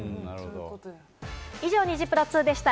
以上、ニジプロ２でした。